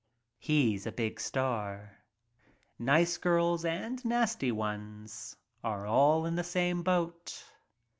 He's a big star. Nice girls and nasty ones are all in the same boat.